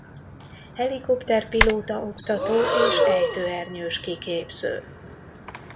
Helikopter pilóta oktató és ejtőernyős kiképző.